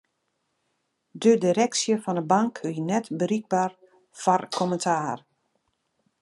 De direksje fan 'e bank wie net berikber foar kommentaar.